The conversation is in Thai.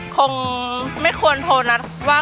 คงไม่ควรโทรนัดว่า